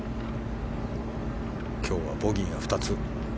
今日はボギーが２つ。